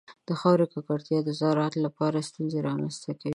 د خاورې ککړتیا د زراعت لپاره ستونزې رامنځته کوي.